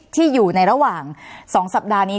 ที่อยู่ในระหว่าง๒สัปดาห์นี้